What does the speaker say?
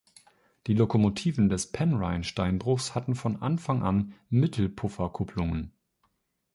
Die Lokomotiven des Penrhyn-Steinbruchs hatten von Anfang an Mittelpufferkupplungen.